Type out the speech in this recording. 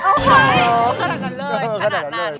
ขนาดนั้นเลยขนาดนั้น